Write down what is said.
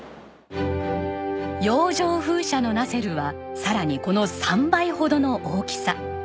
洋上風車のナセルはさらにこの３倍ほどの大きさ。